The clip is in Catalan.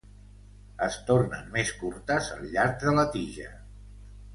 Es tornen més curtes al llarg de la tija.